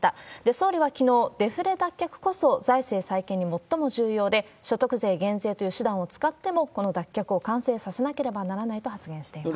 総理はきのう、デフレ脱却こそ財政再建に最も重要で、所得税減税という手段を使っても、この脱却を完成させなければならないと発言しています。